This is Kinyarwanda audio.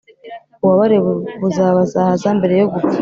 ububabare buzabazahaza mbere yo gupfa.